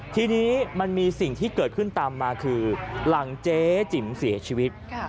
ทีนี้มันมีสิ่งที่เกิดขึ้นตามมาคือหลังเจ๊จิ๋มเสียชีวิต